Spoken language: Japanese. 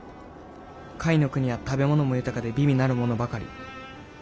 甲斐国は食べ物も豊かで美味なるものばかり。